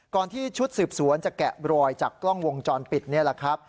ที่ชุดสืบสวนจะแกะรอยจากกล้องวงจรปิดนี่แหละครับ